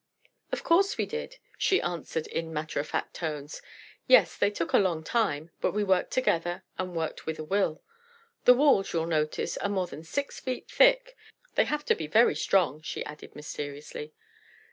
"Of course we did," she answered in matter of fact tones. "Yes they took a long time, but we worked together, and worked with a will. The walls, you'll notice, are more than six feet thick. They have to be very strong," she added mysteriously.